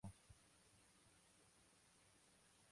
Las actividades más comunes son trekking y pesca.